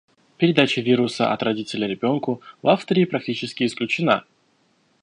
Передача вируса от родителя ребенку в Австрии практически исключена.